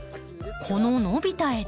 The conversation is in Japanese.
この伸びた枝